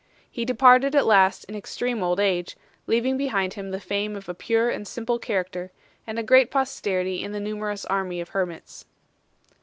He departed at last in extreme old age, leaving behind him the fame of a pure and simple character, and a great posterity in the numerous army of hermits.